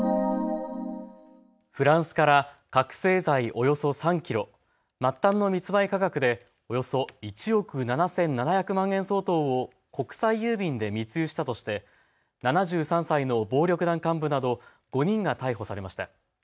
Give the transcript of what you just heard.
フランスから覚醒剤およそ３キロ、末端の密売価格でおよそ１億７７００万円相当を国際郵便で密輸したとして７３歳の暴力団幹部など５人が逮捕されました。